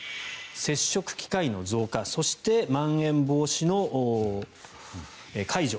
接触機会の増加そして、まん延防止の解除